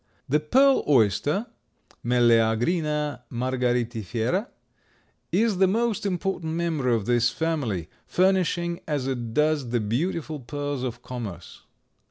The pearl oyster (Melleagrina margaritifera) is the most important member of this family, furnishing as it does the beautiful pearls of commerce.